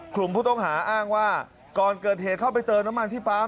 กลุ่มผู้ต้องหาอ้างว่าก่อนเกิดเหตุเข้าไปเติมน้ำมันที่ปั๊ม